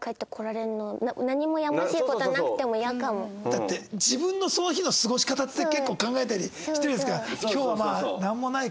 だって自分のその日の過ごし方って結構考えたりしてる。